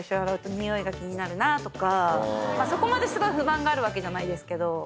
そこまですごい不満があるわけじゃないですけど。